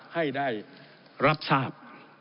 ให้ได้รับทราบ